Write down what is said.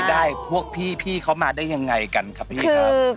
ได้พวกพี่เขามาได้ยังไงกันครับพี่ครับ